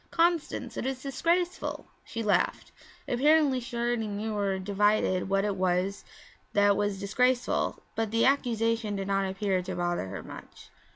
'Constance, it is disgraceful!' She laughed. Apparently she already knew or divined what it was that was disgraceful, but the accusation did not appear to bother her much.